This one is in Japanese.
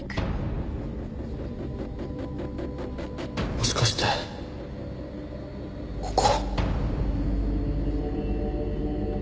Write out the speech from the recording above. もしかしてここ。